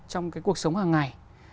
trong cái cuộc sống hàng ngày